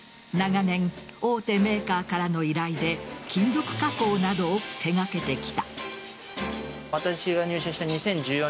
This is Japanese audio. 長年、大手メーカーからの依頼で金属加工などを手掛けてきた。